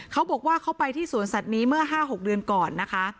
เขาบอกว่าเขาไปที่สวนสัตว์นี้เมื่อ๕๖เดือนก่อนนะคะ